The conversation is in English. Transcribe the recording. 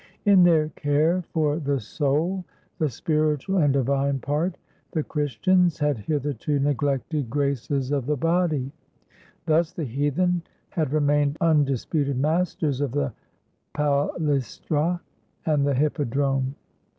In their care for the soul — the spiritual and divine part — the Christians had hitherto neglected graces of the body; thus the hea then had remained undisputed masters of the palaes tra and the hippodrome.